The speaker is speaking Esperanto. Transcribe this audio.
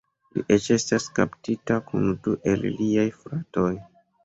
Li eĉ estas kaptita kun du el liaj fratoj.